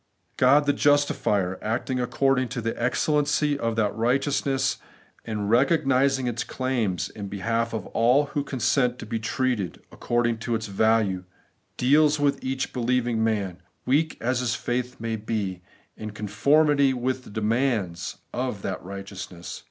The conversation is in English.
God the justifier, acting according to the excellency of that righteousness, and recognising its claims in behalf of all who consent to be treated according to its value, deals with each believing man, weak as his faith may be, in con formity with the demands of that righteousness.